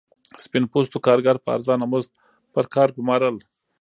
سپین پوستو کارګر په ارزانه مزد پر کار ګومارل.